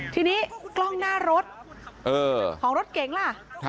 ทีนี้กล้องหน้ารถของรถเก๋งล่ะ